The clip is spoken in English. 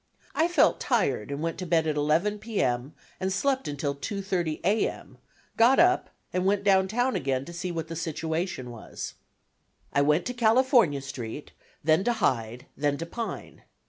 I felt tired, and went to bed at 11 P. M. and slept until 2:30 A. M. got up and went down town again to see what the situation was. I went to California Street, then to Hyde, then to Pine.